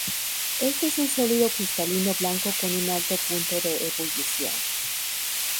Éste es un sólido cristalino blanco con un alto punto de ebullición.